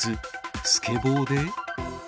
スケボーで？